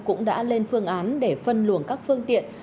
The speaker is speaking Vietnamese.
cũng đã lên phương án để phân luồng các phương tiện